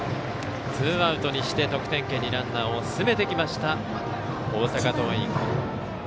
ツーアウトにして得点圏にランナーを進めてきました大阪桐蔭。